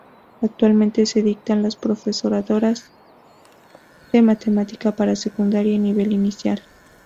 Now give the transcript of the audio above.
Actualmente se dictan los Profesorados de Matemática para Secundario y Nivel Inicial.